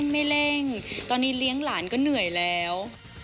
ไม่เร่งตอนนี้เลี้ยงหลานก็เหนื่อยแล้ว